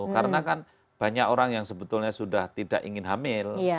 karena kan banyak orang yang sebetulnya sudah tidak ingin hamil